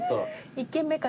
１軒目から。